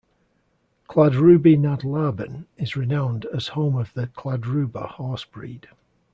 Kladruby nad Labem is renowned as home of the Kladruber horse breed.